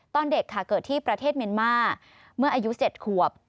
ตอนเด็กค่ะเกิดที่ประเทศเมียนมาร์เมื่ออายุ๗ขวบ